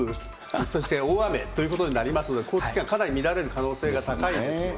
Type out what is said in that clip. そして大雨ということになりますので、交通機関、かなり乱れる可能性が高いですよね。